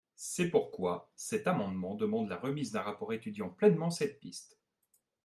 C’est pourquoi cet amendement demande la remise d’un rapport étudiant pleinement cette piste.